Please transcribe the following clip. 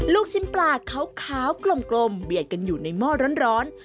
ลูกชิ้นปลาขาวกลมเบียดกันอยู่ในหม้อร้อน